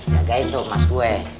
jagain tuh emas gue